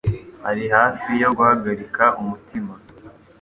Ari hafi yo guhagarika umutima.